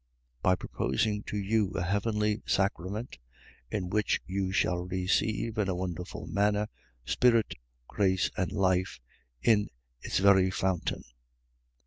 . .By proposing to you a heavenly sacrament, in which you shall receive, in a wonderful manner, spirit, grace, and life, in its very fountain.